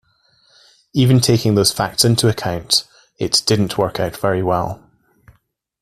Even taking those facts into account, it didn't work out very well.